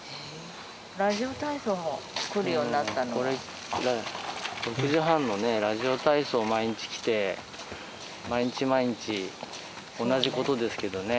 ラジオ体操、来るようになっ６時半のね、ラジオ体操、毎日来て、毎日毎日、同じことですけどね。